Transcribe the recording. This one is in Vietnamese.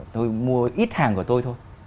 tôi mua ít hàng của tôi thôi